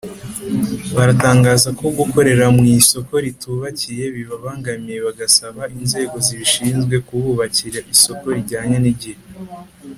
baratangaza ko gukorera mu isoko ritubakiye bibabangamiye bagasaba inzego zibishinzwe kububakira isoko rijyanye n’igihe